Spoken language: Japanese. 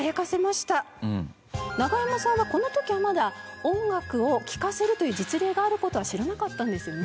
ナガヤマさんはこの時はまだ音楽を聞かせるという実例がある事は知らなかったんですよね？